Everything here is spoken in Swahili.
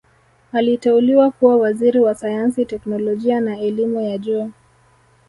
aliteuliwa kuwa Waziri wa sayansi teknolojia na elimu ya juu